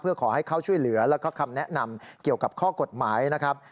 เพื่อขอให้เข้าช่วยเหลือแล้วก็คำแนะนำเกี่ยวกับข้อกฎหมายนะครับ